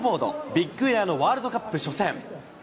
ビッグエアのワールドカップ初戦。